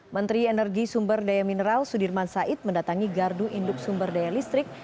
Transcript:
menteri energi sumber daya mineral sudirman said mendatangi gardu induk sumber daya listrik